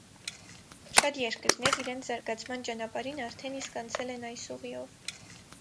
Շատ երկրներ իրենց զարգացման ճանապարհին արդեն իսկ անցել են այս ուղիով: